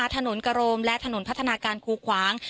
ถนนกระโรมและถนนพัฒนาการคูขวาง